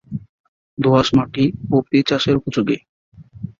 দো-আঁশ মাটি পপি চাষের উপযোগী।